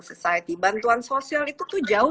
society bantuan sosial itu tuh jauh